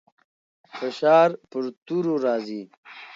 فشار پر تورو راځي.